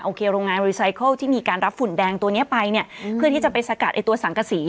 โอเคโรงงานที่มีการรับฝุ่นแดงตัวเนี้ยไปเนี้ยเพื่อที่จะไปสกัดไอ้ตัวสังกสี